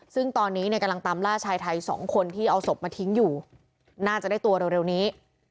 ซึ่งตอนนี้เนี่ยกำลังตามล่าชายไทย๒คนที่เอาศพมาทิ้งอยู่น่าจะได้ตัวเร็วนี้